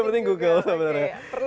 everything google sebenarnya